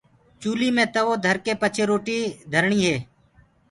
چوليٚ مي تَوو ڌرڪي پڇي روٽيٚ ڌرڻيٚ هي